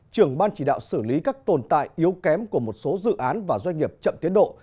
trưởng ban chỉ đạo xử lý các tồn tại yếu kém của một số dự án và doanh nghiệp chậm tiến độ